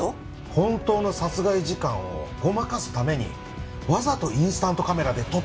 本当の殺害時間をごまかすためにわざとインスタントカメラで撮ったんじゃないですかね？